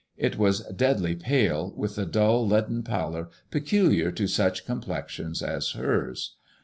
It was deadly pale, with the dull leaden palor pecu liar to such complexions as hers.